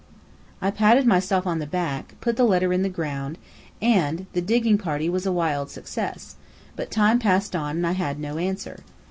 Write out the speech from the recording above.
I patted myself on the back, put the letter in the ground; and the digging party was a wild success; but time passed on, and I had no answer.